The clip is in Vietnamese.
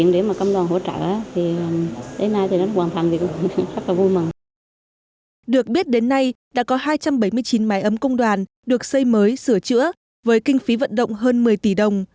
được biết đến nay đã có hai trăm bảy mươi chín máy ấm công đoàn được xây mới sửa chữa với kinh phí vận động hơn một mươi tỷ đồng